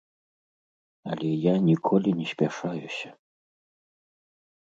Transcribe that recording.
Але я ніколі не спяшаюся.